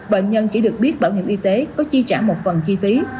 bệnh nhân chỉ được biết bảo hiểm y tế có chi trả một phần chi phí